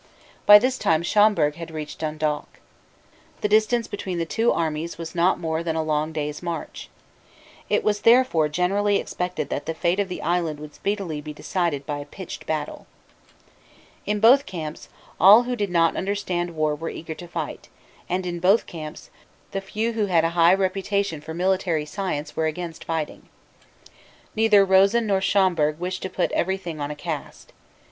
By this time Schomberg had reached Dundalk. The distance between the two armies was not more than a long day's march. It was therefore generally expected that the fate of the island would speedily be decided by a pitched battle. In both camps, all who did not understand war were eager to fight; and, in both camps; the few who head a high reputation for military science were against fighting. Neither Rosen nor Schomberg wished to put every thing on a cast.